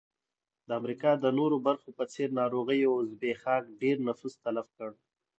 د امریکا د نورو برخو په څېر ناروغیو او زبېښاک ډېر نفوس تلف کړ.